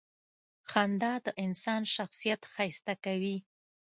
• خندا د انسان شخصیت ښایسته کوي.